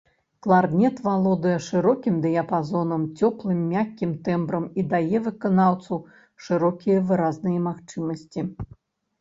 Кларнет валодае шырокім дыяпазонам, цёплым, мяккім тэмбрам і дае выканаўцу шырокія выразныя магчымасці.